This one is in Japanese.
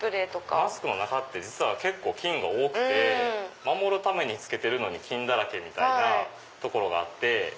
マスクの中って実は結構菌が多くて守るために着けてるのに菌だらけみたいなところがあって。